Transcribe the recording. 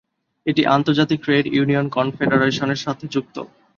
এটি আন্তর্জাতিক trade union কনফেডারেশনের সাথে যুক্ত।